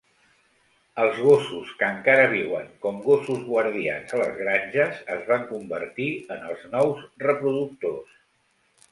Els gossos que encara viuen com gossos guardians a les granges es van convertir en els nous reproductors.